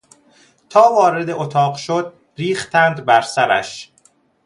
تا وارد اتاق شد ریختند بر سرش.